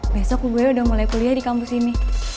besok ibunya udah mulai kuliah di kampus ini